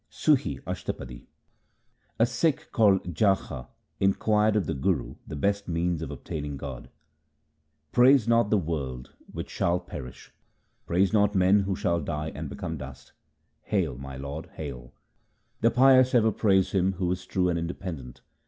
SUHI ASHTAPADI A Sikh called Jacha inquired of the Guru the best means of obtaining God :— Praise not the world which shall perish ; Praise not men who shall die and become dust. Hail ! my Lord, hail ! The pious ever praise Him who is true and independent.